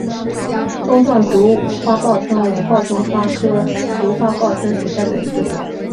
钟状独花报春为报春花科独花报春属下的一个种。